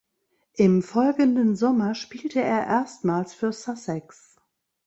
Im folgenden Sommer spielte er erstmals für Sussex.